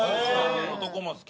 男も好き。